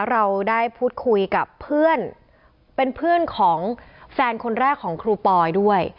เราได้พูดคุยกับเพื่อนเป็นเพื่อนของแฟนคนแรกของครูปอยด้วย